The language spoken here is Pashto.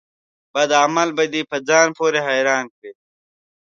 بد عمل به دي په ځان پوري حيران کړي